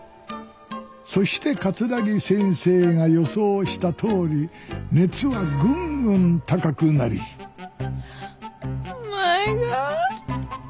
そして桂木先生が予想したとおり熱はぐんぐん高くなりＭｙｇｏｄ！